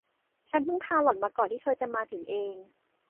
ฉันเพิ่งพาหล่อนมาก่อนที่เธอจะมาถึงเอง